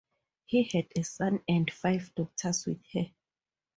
He had a son and five daughters with her.